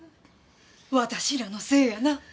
私らのせいやな。